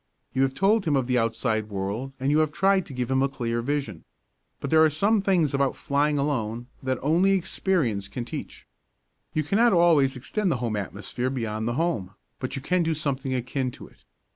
You have told him of the outside world and you have tried to give him a clear vision. But there are some things about flying alone that only experience can teach. You cannot always extend the home atmosphere beyond the home, but you can do something akin to it.